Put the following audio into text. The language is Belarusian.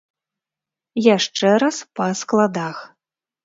Яшчэ раз па складах.